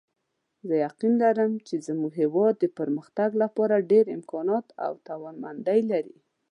زه یقین لرم چې زموږ هیواد د پرمختګ لپاره ډېر امکانات او توانمندۍ لري